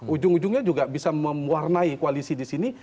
ujung ujungnya juga bisa mewarnai koalisi di sini